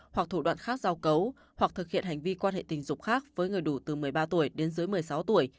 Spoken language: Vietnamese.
hoặc thủ đoạn khác giao cấu hoặc thực hiện hành vi quan hệ tình dục khác với người đủ từ một mươi ba tuổi đến dưới một mươi sáu tuổi